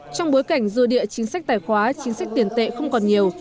trong bối cảnh dư địa chính sách tài khoá chính sách tiền tệ không còn nhiều